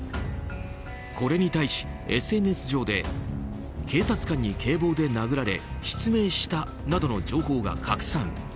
これに対し、ＳＮＳ上で警察官に警棒で殴られ失明したなどの情報が拡散。